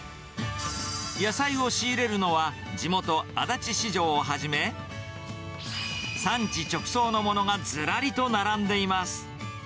野菜を仕入れるのは、地元、足立市場をはじめ、産地直送のものがずらりと並んでいます。